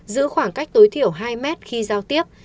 giữ khoảng cách tối thiểu hai mét khi giao tiếp